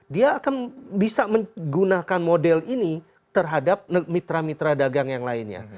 dia akan bisa menggunakan model ini terhadap mitra mitra dagang yang lainnya